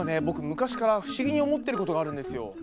僕昔から不思議に思ってることがあるんですよ。